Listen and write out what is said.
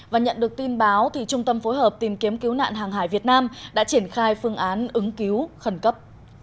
và nhận được tin báo trung tâm phối hợp tìm kiếm cứu nạn hàng hải việt nam đã triển khai phương án ứng cứu khẩn cấp